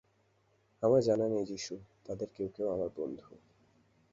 আমার জানা নেই যীশু, তাদের কেউ কেউ আমার বন্ধু।